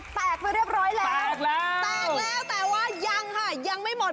แตกแล้วแต่ว่ายังหรอยังไม่หมด